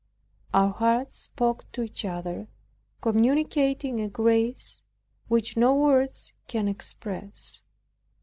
Our hearts spoke to each other, communicating a grace which no words can express.